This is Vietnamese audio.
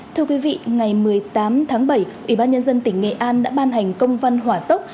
thưa quý vị ngày một mươi tám tháng bảy ủy ban nhân dân tỉnh nghệ an đã ban hành công văn hỏa tốc